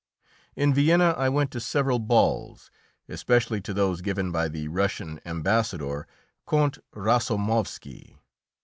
In Vienna I went to several balls, especially to those given by the Russian Ambassador, Count Rasomovski.